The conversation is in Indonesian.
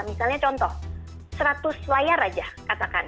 misalnya contoh seratus layar aja katakan